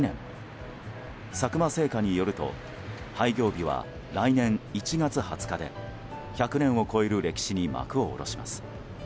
佐久間製菓によると廃業日は来年１月２０日で１００年を超える歴史に幕を下ろします。